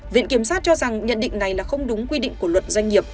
viện kiểm sát cho rằng nhận định này là không đúng quy định của luật doanh nghiệp